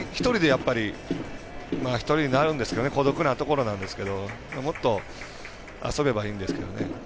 １人になるんですけど孤独なところなんですけどもっと遊べばいいんですけどね。